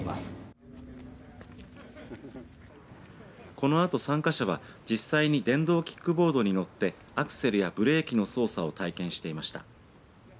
このあと参加者は実際に電動キックボードに乗ってアクセルやブレーキの操作を体験していました。